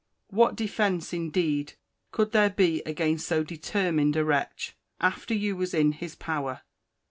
What defence, indeed, could there be against so determined a wretch, after you was in his power?